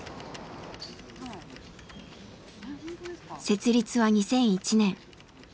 ☎設立は２００１年。